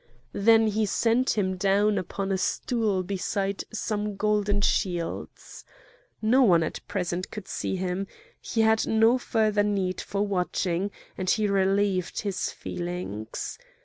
Then he set him down upon a stool beside some golden shields. No one at present could see him; he had no further need for watching; and he relieved his feelings.